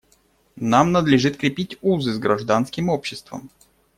Нам надлежит крепить узы с гражданским обществом.